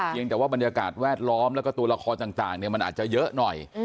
ยังแต่ว่าบรรยากาศแวดล้อมแล้วก็ตัวละครต่างมันอาจจะเยอะหน่อย